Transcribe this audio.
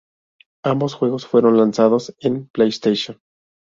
Ambos juegos fueron lanzados en PlayStation.